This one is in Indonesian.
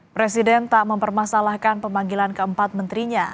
presiden tak mempermasalahkan pemanggilan keempat menterinya